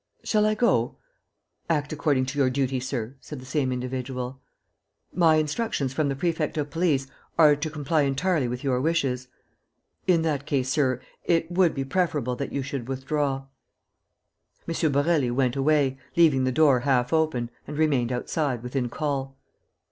"Shall I go?" "Act according to your duty, sir," said the same individual. "My instructions from the prefect of police are to comply entirely with your wishes." "In that case, sir, it would be preferable that you should withdraw." M. Borély went away, leaving the door half open, and remained outside, within call.